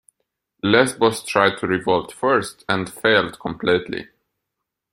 Lesbos tried to revolt first, and failed completely.